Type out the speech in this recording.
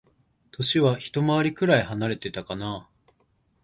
歳はひと回りくらい離れてたかな。